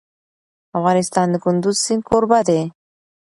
افغانستان د کندز سیند کوربه دی.